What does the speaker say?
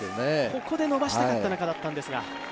ここで伸ばしたかったんですが。